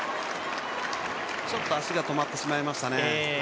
ちょっと足が止まってしまいましたね。